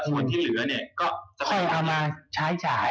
ส่วนที่เหลือเนี่ยก็จะค่อยเอามาใช้จ่าย